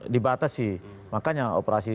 dibatasi makanya operasi